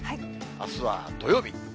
あすは土曜日。